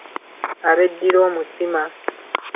Abeddira omutima.